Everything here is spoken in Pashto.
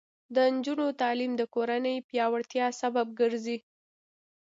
د نجونو تعلیم د کورنۍ پیاوړتیا سبب ګرځي.